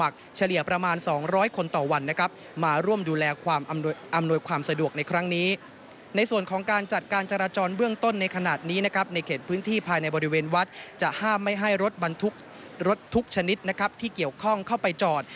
ที่ภายในบริเวณวัดจะห้ามไม่ให้รถบรรทุกชนิดที่เกี่ยวข้องเข้าไปจอด